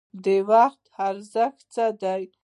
د وخت ارزښت څه دی؟